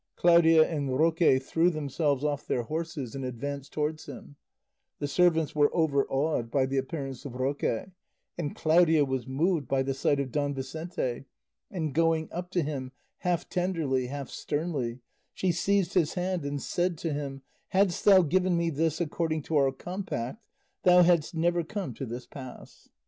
Claudia and Roque threw themselves off their horses and advanced towards him; the servants were overawed by the appearance of Roque, and Claudia was moved by the sight of Don Vicente, and going up to him half tenderly half sternly, she seized his hand and said to him, "Hadst thou given me this according to our compact thou hadst never come to this pass."